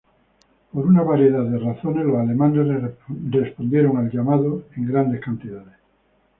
Por una variedad de razones, los alemanes respondieron al llamado en grandes cantidades.